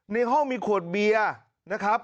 ในห้องมีขวดเบียร์นะครับ